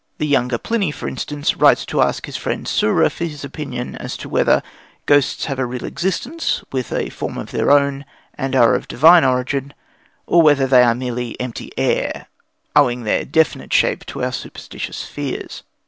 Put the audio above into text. The younger Pliny, for instance, writes to ask his friend Sura for his opinion as to whether ghosts have a real existence, with a form of their own, and are of divine origin, or whether they are merely empty air, owing their definite shape to our superstitious fears.